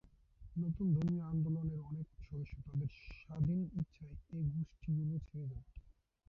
নতুন ধর্মীয় আন্দোলন-এর অনেক সদস্য তাদের স্বাধীন ইচ্ছায় এই গোষ্ঠীগুলি ছেড়ে যান।